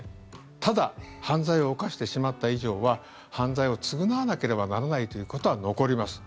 ただ犯罪を犯してしまった以上は犯罪を償わなければならないということは残ります。